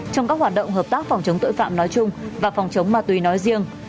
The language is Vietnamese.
trong các hoạt động hợp tác phòng chống tội phạm nói chung và phòng chống ma túy nói riêng